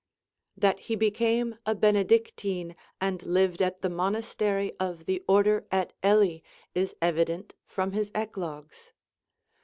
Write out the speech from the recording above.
That he became a Benedictine and lived at the monastery of the order at Ely is evident from his 'Eclogues.'